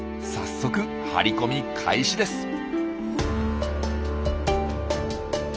早速張り込み開始です。